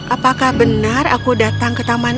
apakah benar aku datang ke taman